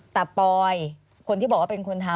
แต่ปอยคนที่บอกว่าเป็นคนทำ